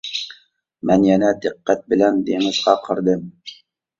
مەن يەنە دىققەت بىلەن دېڭىزغا قارىدىم.